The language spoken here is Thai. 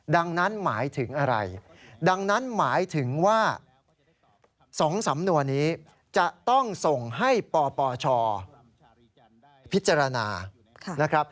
ดังนั้นหมายถึงอะไรดังนั้นหมายถึงว่า๒สำนวนนี้จะต้องส่งให้ปปชพิจารณานะครับ